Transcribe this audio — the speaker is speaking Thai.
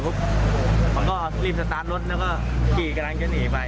ผมก็รีบสตาร์ทรถแล้วก็ขี่กำลังจะหนีไป